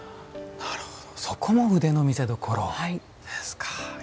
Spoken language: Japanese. なるほどそこも腕の見せどころですか。